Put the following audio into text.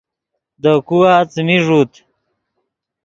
دے کھوا څیمی ݱوت